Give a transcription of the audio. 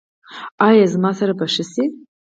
ایا زما سر به ښه شي؟